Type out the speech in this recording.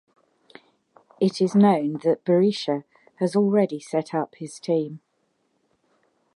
It is known that Berisha has already setup his team.